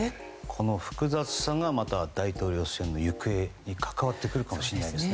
この複雑さがまた大統領選の行方に関わってくるかもしれないですね。